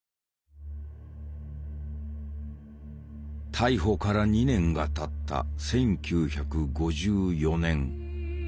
逮捕から２年がたった１９５４年。